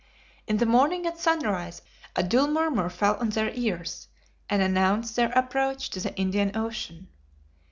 In the morning at sunrise, a dull murmur fell on their ears, and announced their approach to the Indian Ocean.